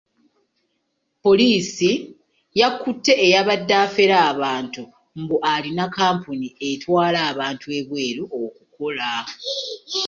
Poliisi yakutte eyabadde affera abantu mbu alina kampuni etwala abantu ebweru okukola.